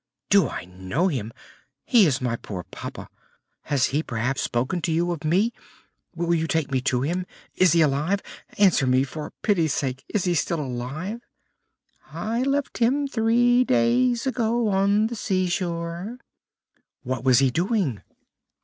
"Do I know him! He is my poor papa! Has he perhaps spoken to you of me? Will you take me to him? Is he still alive? Answer me, for pity's sake: is he still alive?" "I left him three days ago on the seashore." "What was he doing?"